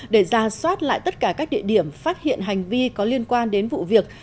để ra soát lại tất cả các địa điểm phát hiện hành vi có liên quan đến vụ việc